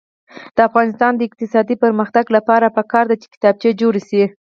د افغانستان د اقتصادي پرمختګ لپاره پکار ده چې کتابچې جوړې شي.